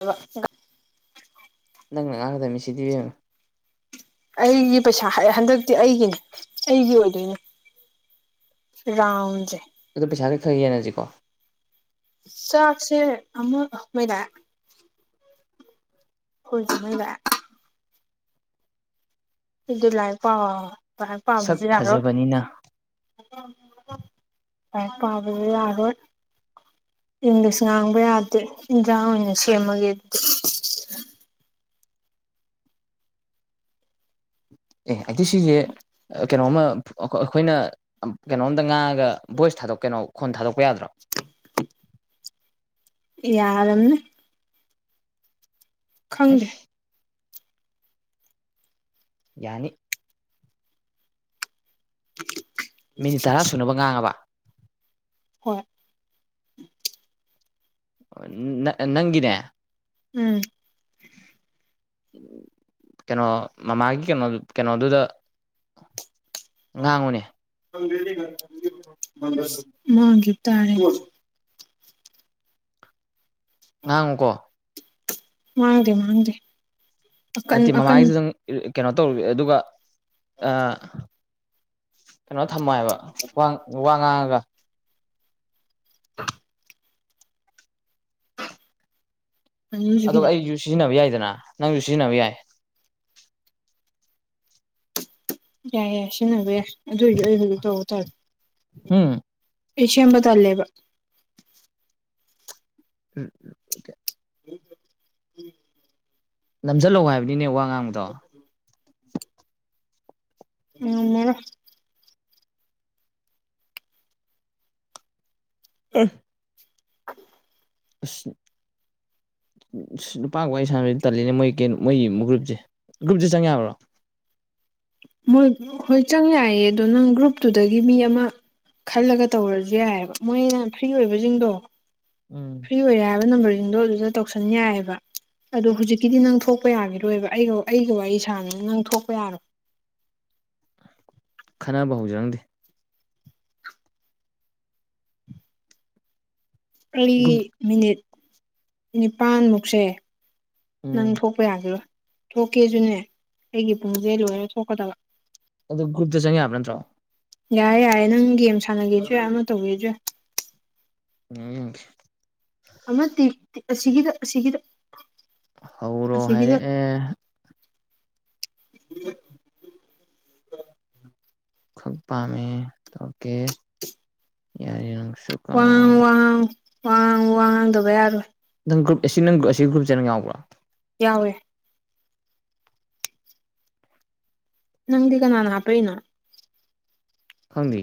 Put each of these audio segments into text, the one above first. ꯍꯂꯅꯥ ꯅꯪꯅꯪ ꯉꯥꯡꯒꯗꯕ ꯃꯤ ꯁꯤꯗꯤ ꯌꯦꯉꯨ ꯑꯩꯒꯤ ꯄꯩꯁꯥ ꯍꯟꯗꯛꯇꯤ ꯑꯩꯒꯤꯅꯤ ꯑꯩꯒꯤ ꯑꯣꯏꯗꯣꯏꯅꯦ ꯔꯝꯖꯦ ꯑꯗꯣ ꯄꯩꯁꯥ ꯈꯩ ꯈꯔ ꯌꯦꯟꯅꯁꯤꯀꯣ ꯆꯥꯛꯁꯦ ꯑꯃꯛ ꯃꯣꯏꯗꯥ ꯍꯣꯏ ꯆꯣꯏꯕ ꯏꯗꯤ ꯂꯥꯏ ꯄꯥꯎ ꯑ ꯂꯥꯏ ꯄꯥꯎ ꯁꯛ ꯖꯤꯔꯣ ꯐꯖꯕꯅꯤꯅ ꯇ ꯄꯥꯕꯗ ꯌꯥꯗ ꯏꯪꯂꯤꯁ ꯉꯥꯡꯕ ꯌꯥꯗꯦ ꯏꯟꯖꯥꯡ ꯑꯣꯏꯅ ꯁꯦꯝꯃꯒꯦ ꯑꯗꯨꯗꯤ ꯑꯦ ꯑꯗꯤꯁꯤꯒꯤ ꯀꯩꯅꯣꯝꯃ ꯑꯩꯈꯣꯏꯅ ꯀꯩꯅꯣꯝꯗ ꯉꯥꯡꯉꯒ ꯚꯣꯏꯁ ꯊꯥꯗꯣꯛ ꯀꯩꯅꯣ ꯈꯣꯟ ꯊꯥꯗꯣꯛꯄ ꯌꯥꯗ꯭ꯔꯣ ꯌꯥꯔꯟꯅ ꯈꯪꯗꯦ ꯍꯩꯁ ꯌꯥꯅꯤ ꯃꯤꯅꯤꯠ ꯇꯔꯥ ꯁꯨꯅꯕ ꯉꯥꯡꯉꯕ ꯍꯣꯏ ꯅ ꯅꯪꯅꯦ ꯎꯝ ꯀꯩꯅꯣ ꯃꯃꯥꯒꯤ ꯀꯩꯅꯣ ꯀꯩꯅꯣꯗꯨꯗ ꯉꯥꯡꯉꯨꯅꯦ ꯃꯥꯒꯤꯇꯥꯔ ꯉꯍꯥꯡꯪꯨꯀꯣ ꯃꯥꯡꯥꯡꯗ ꯃꯥꯡꯥꯡꯗ ꯅꯠꯇꯦ ꯃꯃꯥꯡꯒꯤꯁꯤꯗꯪ ꯀꯩꯅꯣ ꯇꯧꯔꯦ ꯑꯗꯨꯒ ꯀꯩꯅꯣ ꯊꯝꯃꯣ ꯍꯥꯏꯕ ꯋꯥ ꯋꯥ ꯉꯥꯡꯉꯒ ꯑ ꯑꯅꯤꯁꯨ ꯑꯗꯣ ꯈꯤꯇꯪ ꯑꯩꯁꯨ ꯁꯤꯖꯤꯟꯅꯕ ꯌꯥꯏꯗꯅ ꯅꯪꯁꯨ ꯁꯤꯖꯤꯟꯅꯕ ꯌꯥꯏ ꯌꯥꯏ ꯌꯥꯏ ꯁꯤꯖꯤꯟꯅꯕ ꯌꯥꯏ ꯑꯗꯨꯗꯤ ꯇꯧꯕ ꯇꯥꯔꯦ ꯎꯝ ꯑꯦꯁꯤ ꯑꯝꯕ ꯇꯂꯦꯕ ꯎꯝ ꯎꯝ ꯎꯝ ꯎꯝ ꯅꯝꯁꯤꯜꯍꯧ ꯍꯥꯏꯕꯅꯤꯅꯦ ꯋꯥ ꯉꯥꯡꯕꯗꯣ ꯎꯝ ꯃꯔ ꯑ ꯍꯥꯏ ꯑ ꯅꯨꯄꯥ ꯋꯥ ꯁꯥꯟꯅꯕꯁꯤ ꯇꯜꯂꯤꯅꯦ ꯃꯣꯏ ꯀ ꯃꯣꯏꯒꯤ ꯒ꯭ꯔꯨꯞꯁꯦ ꯒ꯭ꯔꯨꯞꯁꯦ ꯆꯪꯉ ꯌꯥꯕ꯭ꯔꯣ ꯃꯣꯏ ꯍꯣꯏ ꯆꯪ ꯌꯥꯏꯌꯦ ꯑꯗꯣ ꯅꯪ ꯒ꯭ꯔꯨꯞꯇꯨꯗꯒꯤ ꯃꯤ ꯑꯃ ꯈꯜꯂꯒ ꯇꯧꯔꯁꯨ ꯌꯥꯏꯑꯕ ꯃꯣꯏꯅ ꯐ꯭ꯔꯤ ꯑꯣꯏꯕꯁꯤꯡꯗꯣ ꯎꯝ ꯐ꯭ꯔꯤ ꯑꯣꯏꯔꯦ ꯍꯥꯏꯕ ꯅꯝꯕꯔꯁꯤꯡꯗꯣ ꯑꯗꯨꯗ ꯇꯧꯁꯟ ꯌꯥꯏꯑꯕ ꯑꯗꯣ ꯍꯧꯖꯤꯛꯀꯤꯗꯤ ꯅꯪ ꯊꯣꯛꯄ ꯌꯥꯈꯤꯔꯣꯏꯕ ꯑꯩꯒ ꯑꯩꯒ ꯋꯥꯔꯤ ꯁꯥꯅꯕꯅ ꯅꯪ ꯊꯣꯛꯄ ꯌꯥꯔꯣ [unintelligible] ꯈꯟꯅꯕ ꯍꯧꯖꯔꯪꯗꯦ ꯑꯩꯔꯤ ꯒ꯭ꯔꯨꯞ ꯃꯤꯅꯤꯠ ꯅꯤꯄꯥꯜꯃꯨꯛꯁꯦ ꯅꯪ ꯎꯝ ꯊꯣꯛꯄ ꯌꯥꯒꯔꯣꯏ ꯊꯣꯛꯀꯦꯁꯨꯅꯦ ꯑꯩꯒꯤ ꯄꯨꯡꯁꯦ ꯂꯣꯏꯅ ꯊꯣꯛꯀꯗꯕ ꯑꯗꯣ ꯒꯨꯞꯗ ꯆꯪꯉ ꯍꯥꯅ ꯅꯠꯇ꯭ꯔꯣ ꯌꯥꯏꯔꯦ ꯌꯥꯏꯔꯦ ꯅꯪ ꯒꯦꯝ ꯁꯥꯟꯅꯒꯦꯁꯨ ꯌꯥꯏ ꯑꯃ ꯇꯧꯒꯦꯁꯨꯏ ꯎꯝ ꯑꯃꯗꯤ ꯑꯁꯤꯒꯤꯗ ꯑꯁꯤꯒꯤꯗ ꯍꯧꯔꯣ ꯍꯥꯏꯔꯛꯑꯦ ꯎ ꯈ ꯄꯥꯃꯤ ꯇ ꯌꯥꯔꯤꯅ ꯁꯨ ꯀ ꯋꯥ ꯉꯥꯡꯉ ꯋꯥ ꯉꯥꯡꯗꯕ ꯌꯥꯔꯣꯏ ꯅꯪ ꯒ꯭ꯔꯨꯞ ꯑꯁꯤ ꯅꯪ꯭ꯔꯨꯞ ꯑꯁꯤꯒꯤ ꯒ꯭ꯔꯨꯞꯦ ꯅꯪ ꯌꯥꯎꯕ꯭ꯔꯥ ꯌꯥꯎꯋꯦ ꯅꯪꯗꯤꯀ ꯅꯥꯟ ꯅ ꯄꯅ ꯍꯒ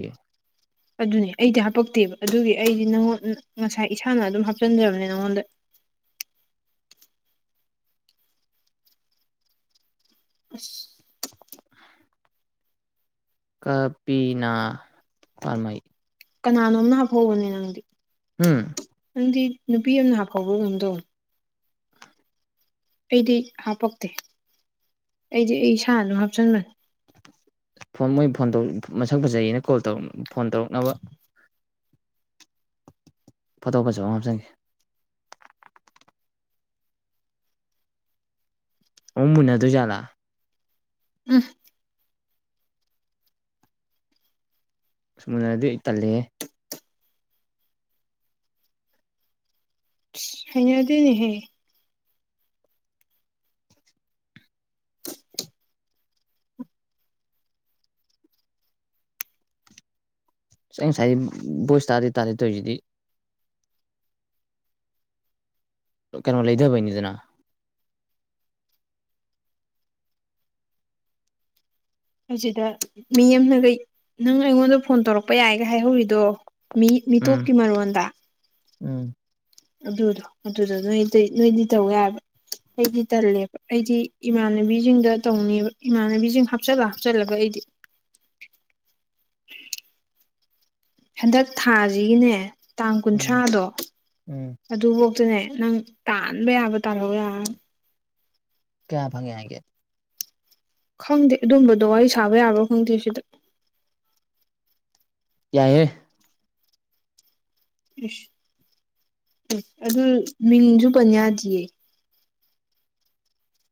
ꯑꯗꯨꯅꯦ ꯑꯩꯗꯤ ꯍꯥꯄꯛꯇꯦꯕ ꯑꯗꯨꯒꯤ ꯑꯩꯗꯤ ꯅꯉꯣꯟ ꯉꯁꯥꯏ ꯏꯁꯥꯅ ꯑꯗꯨꯝ ꯍꯥꯞꯆꯤꯟꯖꯕꯅꯦ ꯅꯪꯉꯣꯟꯗ [unintelligible] ꯑꯁ ꯀꯄꯤꯅꯥ ꯐꯔꯃꯩ ꯀꯅꯥꯅꯣꯝꯅ ꯍꯥꯞꯐꯧꯕꯅꯦ ꯅꯪꯗꯤ ꯎꯝ ꯅꯪꯗꯤ ꯅꯨꯄꯤ ꯑꯃꯅ ꯍꯥꯞꯐꯥꯎꯕ ꯉꯝꯗꯧ ꯑꯩꯗꯤ ꯍꯥꯞꯄꯛꯇꯦ ꯑꯩꯗꯤ ꯑꯩ ꯏꯁꯥ ꯑꯗꯨ ꯍꯥꯞꯆꯟꯕꯅꯤ ꯐꯣꯟ ꯃꯣꯏ ꯐꯣꯟ ꯃꯁꯛ ꯐꯖꯩꯌꯦꯅ ꯀꯣꯜꯧ ꯐꯣꯟ ꯇꯧꯔꯛꯅꯕ ꯐꯣꯊꯣꯛꯄꯁꯨ ꯍꯥꯝ ꯆꯪꯈꯤ ꯑꯣ ꯃꯨꯟꯅꯗꯨꯖꯂ ꯎꯝ ꯑꯃꯅ ꯑꯗꯨ ꯑꯩ ꯇꯜꯂꯦ ꯍ ꯑꯗꯨꯅꯤꯍꯌꯦ ꯑꯩ ꯉꯁꯥꯏꯒꯤ ꯚꯣꯏꯁ ꯇꯥꯔꯗꯤ ꯇꯥꯔꯦ ꯇꯣꯏꯁꯤꯗꯤ ꯀꯩꯅꯣ ꯂꯩꯗꯕ ꯂꯤꯗꯅ ꯑꯗꯨꯗ ꯃꯤ ꯑꯃꯅꯒꯩ ꯅꯪ ꯑꯩꯉꯣꯟꯗ ꯐꯣꯟ ꯇꯧꯔꯛꯄ ꯌꯥꯏꯒ ꯍꯥꯏꯍꯧꯔꯤꯗꯣ ꯃꯤ ꯎꯝ ꯃꯤꯇꯣꯞꯀꯤ ꯃꯔꯣꯟꯜꯗ ꯎꯝ ꯑꯗꯨꯗꯣ ꯑꯗꯨꯗꯣ ꯅꯣꯏ ꯅꯣꯏꯗꯤ ꯇꯧꯦ ꯍꯥꯏꯕ ꯑꯩꯗꯤ ꯇꯜꯂꯦꯕ ꯑꯩꯗꯤ ꯏꯃꯥꯟꯅꯕꯤꯁꯤꯡꯒ ꯇꯧꯅꯦꯕ ꯏꯃꯥꯟꯅꯕꯤꯁꯤꯡ ꯍꯥꯞꯆꯜꯂꯒ ꯍꯥꯞꯆꯜꯂꯒ ꯑꯩꯗꯤ [unintelligible] ꯍꯟꯗꯛ ꯊꯥꯁꯤꯒꯤꯅꯦ ꯇꯥꯡ ꯎꯝ ꯀꯨꯟꯊ꯭ꯔꯥꯗꯣ ꯎꯝ ꯑꯗꯨꯐꯧꯇꯅꯦ ꯅꯪ ꯇꯥꯟꯕ ꯌꯥꯕ ꯇꯥꯜꯍꯧ ꯌꯥ ꯀꯌꯥꯕ ꯍꯪꯉꯦ ꯍꯥꯏꯒꯦ ꯈꯪꯗꯦ ꯑꯗꯨꯝꯕꯗꯣ ꯋꯥꯔꯤ ꯁꯥꯕ ꯌꯥꯕ꯭ꯔꯣ ꯈꯪꯗꯦ ꯁꯤꯗ ꯌꯥꯏꯦ ꯎꯁ ꯎ ꯑꯗꯨ ꯃꯤꯡꯁꯨ ꯄꯟ ꯌꯥꯗ꯭ꯌꯦ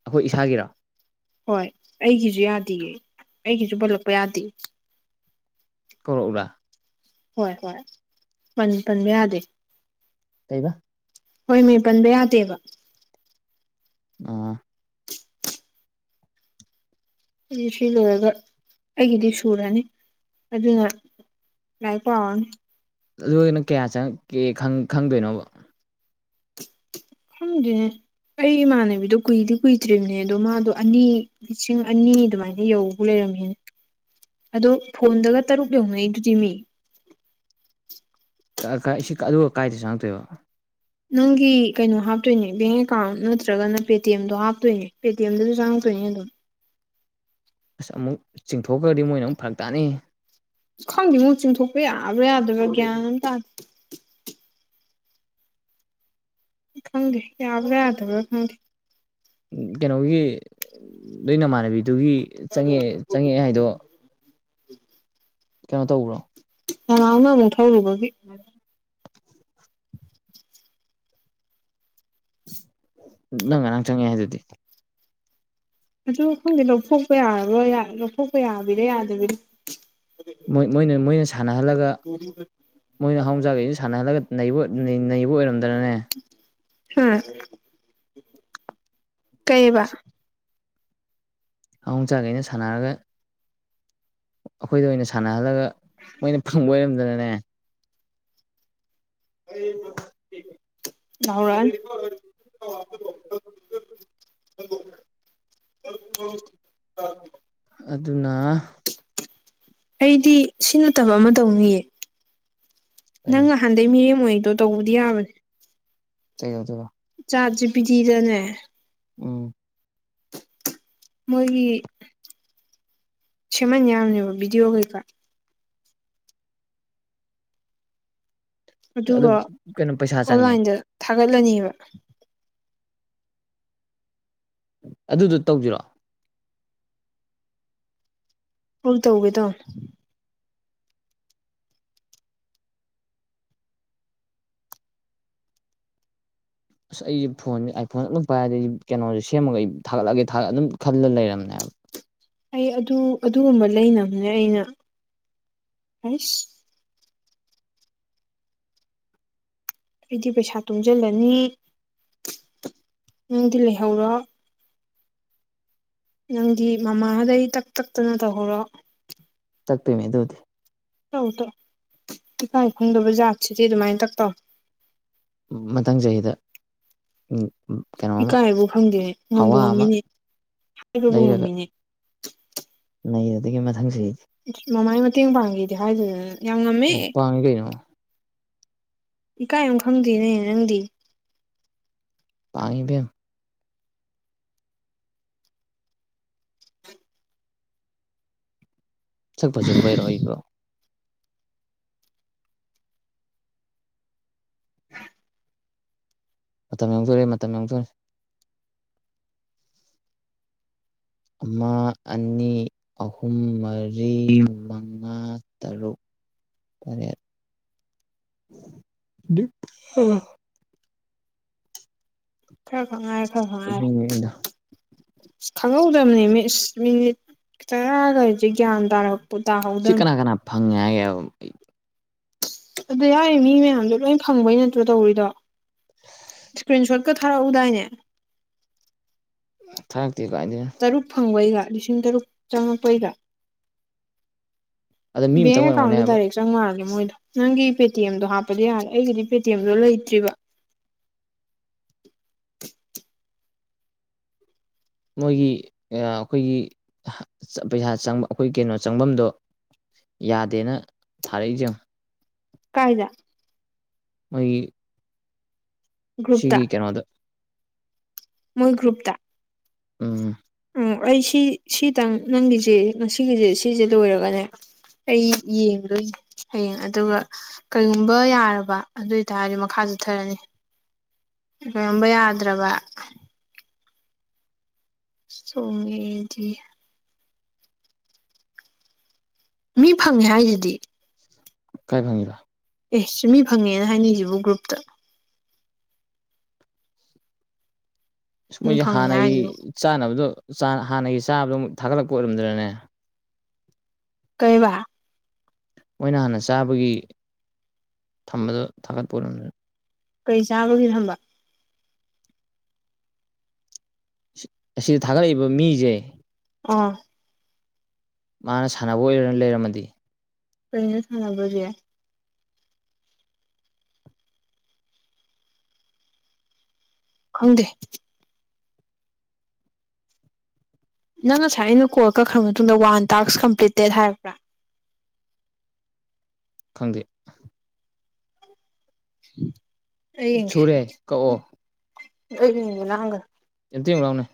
ꯑꯩꯈꯣꯏ ꯏꯁꯥꯒꯤꯔꯥ ꯍꯣꯏ ꯑꯩꯒꯤꯁꯨ ꯌꯥꯗꯦ ꯑꯩꯒꯤꯁꯨ ꯄꯜꯂꯛꯄ ꯌꯥꯗꯦ ꯀꯔꯛꯥ ꯍꯣꯏ ꯍꯣꯏ ꯄꯟꯕ ꯌꯥꯗꯦ ꯀꯩꯕ ꯍꯣꯏ ꯃꯤ ꯄꯟꯕ ꯌꯥꯗꯦꯕ ꯑ ꯑꯩ ꯁꯤ ꯂꯣꯏꯔꯒ ꯑꯩꯒꯤꯗꯤ ꯁꯨꯔꯅꯤ ꯑꯗꯨꯅ ꯉꯥꯏ ꯀꯣꯟ ꯑꯗꯨꯅ ꯀꯌꯥ ꯆꯪꯉꯛꯀꯦ ꯈꯪꯗꯣꯏꯅꯣꯕ ꯈꯪꯒꯦ ꯑꯩ ꯏꯃꯥꯟꯅꯕꯤꯗꯣ ꯀꯨꯏꯗꯤ ꯀꯨꯏꯗ꯭ꯔꯤꯕꯅꯦ ꯑꯗꯣ ꯃꯥꯗꯣ ꯑꯅꯤ ꯂꯤꯁꯤꯡ ꯑꯅꯤ ꯑꯗꯨꯃꯥꯏꯅ ꯌꯧꯕ ꯂꯩꯔ ꯑꯗꯣ ꯐꯣꯟꯗꯒ ꯇꯔꯨꯛ ꯌꯧꯅꯩ ꯑꯗꯨꯗꯤ ꯃꯤ ꯑꯗꯨꯒ ꯀꯥꯏꯗ ꯆꯪꯉꯛꯇꯣꯏꯕ ꯅꯪꯒꯤ ꯀꯩꯅꯣ ꯍꯥꯞꯇꯣꯏꯅꯦ ꯕꯦꯡ ꯑꯦꯀꯥꯎꯟ ꯅꯠꯇ꯭ꯔꯒꯅ ꯄꯦꯇꯤ ꯑꯦꯝꯗꯣ ꯍꯥꯞꯇꯣꯏꯅꯦ ꯄꯦ ꯇꯤ ꯑꯦꯝꯗꯁꯨ ꯆ ꯀ ꯑꯗꯨꯝ ꯑꯁ ꯑꯃꯨꯛ ꯆꯤꯡꯊꯣꯛꯈ꯭ꯔꯗꯤ ꯃꯣꯏꯅ ꯑꯃꯨꯛ ꯐꯔꯛ ꯇꯥꯅ ꯁꯈꯥꯡꯗꯤ ꯃꯨ ꯆꯤꯡꯊꯣꯛꯄ ꯌꯥꯕ꯭ꯔꯥ ꯌꯥꯗꯕ꯭ꯔꯥ ꯒ꯭ꯌꯥꯟ ꯑꯃ ꯇꯥꯗꯦ ꯈꯪꯗꯦ ꯌꯥꯕ ꯌꯥꯗꯕ ꯈꯪꯦ ꯀꯩꯅꯣꯒꯤ ꯅ ꯅꯃꯥꯟꯅꯕꯤꯗꯨꯒꯤ ꯆꯪꯉꯛ ꯆꯪꯉꯛꯑꯦ ꯍꯥꯏꯗꯣ ꯎꯝ ꯀꯩꯅꯣ ꯇꯧꯕ꯭ꯔꯣ ꯍ ꯉꯥꯎꯅ ꯃꯨ ꯊꯥꯎꯗ ꯅꯪꯉ ꯅꯪ ꯆꯪꯉꯦ ꯍꯥꯏ ꯑꯗꯨꯗꯤ ꯑꯗꯨ ꯈꯪꯗꯦ ꯂꯧꯊꯣꯛꯄ ꯌꯥꯔꯕ꯭ꯔꯣ ꯂꯧꯊꯣꯛꯄ ꯌꯥꯕꯤꯔ ꯌꯥꯗꯕꯤꯗ ꯃꯣꯏꯅ ꯃꯣꯏꯅ ꯁꯥꯟꯅꯍꯜꯂꯒ ꯃꯣꯏꯅ ꯃꯍꯍꯣꯡꯖꯥꯛꯒꯩꯩꯅ ꯁꯥꯟꯅꯍꯜꯂꯒ ꯅꯩꯕ ꯑꯣꯏꯔꯝꯗꯅꯅꯦ ꯍꯥꯝ ꯀꯩꯕ ꯑꯍꯣꯡꯆꯥꯥꯈꯩꯅ ꯁꯥꯟꯅꯔꯒ ꯑꯩꯈꯣꯏꯗ ꯑꯣꯏꯅ ꯁꯥꯟꯅꯍꯜꯂꯒ ꯃꯣꯏꯅ ꯐꯪꯕ ꯑꯣꯏꯔꯝꯗꯅꯅꯦ ꯍꯥꯎꯔ [unintelligible] ꯑꯗꯨꯅ ꯑꯩꯗꯤ ꯁꯤ ꯅꯠꯇꯕ ꯑꯃ ꯇꯧꯅꯤꯌꯦ ꯀꯔꯤ ꯅꯪ ꯅꯍꯥꯟꯗꯒꯤ ꯃꯤꯔꯦꯝ ꯑꯣꯏ ꯑꯣ ꯇꯧꯕꯗꯤ ꯌꯥꯕꯅꯤ ꯀꯩ ꯍꯧꯗꯕ ꯆꯥꯠꯁꯤ ꯄꯤꯗꯤꯗꯅꯦ ꯎꯝ ꯃꯣꯏꯒꯤ ꯁꯦꯝꯃꯟ ꯌꯥꯝꯅꯦꯕ ꯚꯤꯗꯤꯑꯣ ꯀꯩꯀꯥ ꯑꯗꯨ ꯑꯗꯨꯒ ꯀꯩꯅꯣ ꯄꯩꯁꯥ ꯆꯪꯉꯦ ꯑꯣꯟꯂꯥꯏꯟꯗ ꯊꯥꯒꯠꯂꯅꯤꯕ ꯑꯗꯨꯗꯣ ꯇꯧꯁꯤꯔꯛꯑꯣ ꯍꯧ ꯇꯧꯒꯦꯗꯣ ꯑꯁ ꯑꯩꯁꯦ ꯐꯣꯟꯁꯦ ꯑꯥꯏ ꯐꯣꯟ ꯑꯗꯨꯝ ꯄꯥꯏꯔꯗꯤ ꯑꯩ ꯀꯩꯅꯣꯁꯦ ꯁꯦꯝꯃꯒ ꯑꯩ ꯊꯥꯒꯠꯂꯒꯦ ꯊꯥꯒ ꯑꯗꯨꯝ ꯈꯜꯂ ꯂꯩꯔꯝꯅꯦꯕ [inaudible] ꯑꯩ ꯑꯗꯨ ꯑꯗꯨꯒꯨꯝꯕ ꯂꯩꯅꯕꯅꯦ ꯑꯩꯅ ꯑꯁ ꯑꯩꯗꯤ ꯄꯩꯁꯥ ꯇꯨꯡꯁꯤꯜꯂꯅꯤ ꯅꯪꯗꯤ ꯂꯩꯍꯧꯔꯣ ꯅꯪꯗꯤ ꯃꯃꯥꯗꯩ ꯇꯛ ꯇꯛꯇꯅ ꯇꯧꯍꯔꯣ ꯆꯛꯄꯤꯏ ꯃꯤ ꯑꯗꯨꯗꯤ ꯇꯧ ꯇꯧ ꯏꯀꯥꯏ ꯈꯨꯝꯗꯕ ꯖꯥꯠꯁꯤꯗꯤ ꯑꯗꯨꯃꯥꯏꯅ ꯇ ꯇꯧ ꯃꯊꯪ ꯆꯍꯤꯗ ꯀꯩꯅꯣ ꯑꯃ ꯏꯀꯥꯏꯕꯨ ꯐꯪꯗꯦ ꯉꯝꯕ ꯍꯋꯥ ꯑꯃ ꯉꯝꯃꯤꯅꯦ ꯍꯥꯏꯕꯕꯨ ꯉꯝꯃꯤꯅꯦ [inaudible] ꯂꯩꯕꯒꯤ ꯃꯊꯪꯁꯤ ꯃꯃꯥꯏ ꯃꯇꯦꯡ ꯄꯥꯡꯈꯤꯗꯤ ꯍꯥꯏꯗꯨꯗꯅ ꯌꯥꯝ ꯉꯝꯃꯦ ꯄꯥꯡꯉꯤ ꯀꯩꯅꯣ ꯏꯀꯥꯏꯣ ꯈꯪꯗꯦꯅꯦ ꯅꯪꯗꯤ ꯇꯕꯤ ꯆꯛꯄꯖꯔꯨꯕ ꯑꯣꯏꯔꯛꯑꯣꯏꯕꯣ ꯃꯇꯝ ꯌꯥꯡꯊꯣꯔꯦ ꯃꯇꯝ ꯌꯎꯖ ꯑꯃ ꯑꯅꯤ ꯑꯍꯨꯝ ꯃꯔꯤ ꯃꯉꯥ ꯇꯔꯨꯛ ꯐꯔꯦ ꯈ ꯈꯉꯥꯏ ꯈꯔ ꯈꯉꯥꯏ ꯑꯗꯨꯅꯤꯗ ꯑꯁ ꯈꯪꯍꯧꯗꯕꯅꯦ ꯃꯤꯅꯤꯠ ꯇꯔꯥꯒꯗꯤ ꯒ꯭ꯌꯥꯟ ꯇꯥꯔꯛ ꯁꯤ ꯀꯅꯥ ꯀꯅꯥ ꯐꯪꯉꯦ ꯍꯥꯏꯒꯦ ꯑꯗꯨ ꯌꯥꯏ ꯃꯤ ꯃꯌꯥꯝꯗꯣ ꯂꯣꯏ ꯐꯪꯕꯩ ꯅꯠꯇ꯭ꯔꯣ ꯇꯧꯔꯤꯗꯣ ꯏꯁꯀ꯭ꯔꯤꯟ ꯁꯣꯠ ꯊꯔ ꯎꯗꯏꯅꯦ ꯊꯥꯔꯛꯇꯦ ꯀꯥꯏꯗꯩꯅꯣ ꯇꯔꯨꯛ ꯐꯪꯕꯩꯒ ꯂꯤꯁꯤꯡ ꯇꯔꯨꯛ ꯆꯪꯉꯛꯄꯩꯒ ꯑꯗ ꯃꯤ ꯕꯦꯡ ꯑꯃꯇꯪ ꯑꯣꯏꯔꯝꯒꯅꯦ ꯍꯥꯏꯕ ꯑꯦꯀꯥꯎꯟꯗꯗꯥꯔꯦꯛ ꯆꯪꯉꯔꯒꯦ [unintelligible] ꯏꯗꯣ ꯅꯪꯒꯤ ꯄꯦꯇꯤ ꯑꯦꯝꯗꯣ ꯍꯥꯞꯄꯗꯤ ꯌꯥꯔꯦ ꯑꯩꯒꯤꯗꯤ ꯄꯦꯇꯤ ꯑꯦꯝꯗꯣ ꯂꯩꯇ꯭ꯔꯤꯕ ꯃꯣꯏꯒꯤ ꯑꯩꯈꯣꯏꯒꯤ ꯄꯩꯁꯥ ꯆꯪ ꯑꯩꯈꯣꯏ ꯀꯩꯅꯣ ꯆꯪꯐꯝꯗꯣ ꯌꯥꯗꯦꯅ ꯊꯥꯔꯛꯏꯁ ꯀꯥꯏꯗ ꯃꯥꯣꯏ ꯁꯤꯒꯤ ꯀꯩꯅꯣꯗ ꯃꯜꯒ꯭ꯔꯨꯨꯞꯇ ꯎꯝ ꯑꯣ ꯑꯩ ꯁꯤ ꯁꯤꯇꯪ ꯅꯪꯒꯤꯁꯦ ꯉꯁꯤꯒꯤꯁꯦ ꯁꯤꯁꯦ ꯂꯣꯏꯔꯒꯅꯦ ꯑꯩ ꯌꯦꯡꯗꯣꯏ ꯍꯌꯦꯡ ꯑꯗꯨꯒ ꯀꯔꯤꯒꯨꯝꯕ ꯌꯥꯔꯕ ꯑꯗꯨ ꯑꯣꯏꯇꯥꯔꯗꯤ ꯃꯈꯥ ꯆꯠꯊꯔꯅꯤ ꯉꯔꯝꯕ ꯌꯥꯗ꯭ꯔꯕ ꯁꯣꯃꯤꯗꯤ ꯃꯤ ꯐꯪꯉꯦ ꯍꯥꯏꯁꯤꯗꯤ ꯀꯥꯏ ꯐꯪꯉꯔ ꯑꯦ ꯆꯨꯝꯃꯤ ꯐꯪꯉꯦꯅ ꯍꯥꯏꯅꯤꯁꯤꯕꯨ ꯒ꯭ꯔꯨꯞꯇ ꯃꯤ ꯃꯣꯏꯁꯦ ꯐꯪꯉꯦ ꯍꯥꯟꯅꯒꯤ ꯍꯥꯏꯁꯤꯕꯨ ꯆꯥꯅꯕꯗꯣ ꯍꯥꯟꯅꯒꯤ ꯆꯥꯕꯗꯣ ꯑꯃꯨꯛ ꯊꯥꯒꯠꯂꯛꯄ ꯑꯣꯏꯔꯝꯗ꯭ꯔꯅꯦ ꯀꯩꯕ ꯃꯣꯏꯅ ꯍꯥꯟꯅ ꯆꯥꯕꯒꯤ ꯊꯝꯕꯗꯣ ꯊꯥꯒꯠꯄꯔꯝ ꯀꯔꯤ ꯆꯥꯕꯒꯦ ꯊꯝꯕ ꯑꯁꯤ ꯊꯥꯒꯠꯂꯛꯏꯕ ꯃꯤꯁꯦ ꯑꯥ ꯃꯥꯅ ꯁꯥꯟꯅꯕ ꯑꯣꯏꯔꯅ ꯂꯩꯔꯝꯃꯗꯤ ꯀꯩꯅ ꯁꯅꯕꯖꯦ ꯈꯪꯗꯦ ꯅꯪ ꯉꯁꯥꯏ ꯑꯩꯅ ꯀꯣꯜ ꯀꯛꯈ꯭ꯔ ꯃꯇꯨꯡꯗ ꯋꯥꯟ ꯇꯥꯛꯁ ꯀꯝꯄ꯭ꯂꯤꯇꯦꯠ ꯍꯥꯏꯕ꯭ꯔꯥ ꯈꯪꯗꯦ ꯑꯩꯦ ꯁꯨꯔꯦ ꯀꯛꯑꯣ ꯑ ꯂꯒ ꯑꯦꯇ ꯎ ꯂꯥꯎꯅꯦ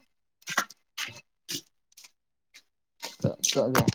ꯀ ꯀꯒꯦ